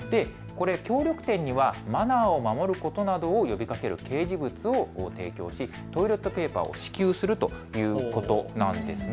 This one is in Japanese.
協力店にはマナーを守ることなどを呼びかける掲示物を提供しトイレットペーパーを支給するということなんです。